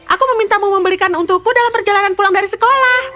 aku memintamu membelikan untukku dalam perjalanan pulang dari sekolah